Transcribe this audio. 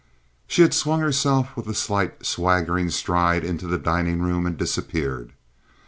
She had swung herself with a slight, swaggering stride into the dining room and disappeared.